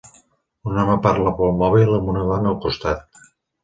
Un home parla pel mòbil amb una dona al costat.